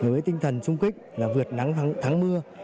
với tinh thần sung kích là vượt nắng thắng mưa